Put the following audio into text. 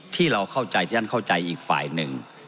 ที่เราเข้าใจที่ท่านเข้าใจอีกฝ่ายหนึ่ง